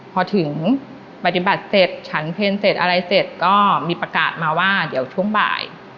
พอถึงปฏิบัติเสร็จฉันเพลงเสร็จอะไรเสร็จก็มีประกาศมาว่าเดี๋ยวช่วงบ่าย